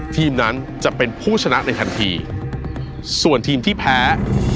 ทีมนั้นจะเป็นผู้ชนะในทันทีส่วนทีมที่แพ้